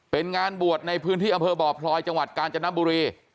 เป็นงานบวชในพื้นที่อำเภอบ่อพลอยจังหวัดกาญจนบุรี